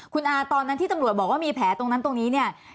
คุณอาตอนนั้นที่ตำรวจบอกว่ามีแผลตรงนั้นตรงนี้เนี่ย